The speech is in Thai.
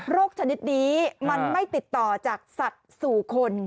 ชนิดนี้มันไม่ติดต่อจากสัตว์สู่คน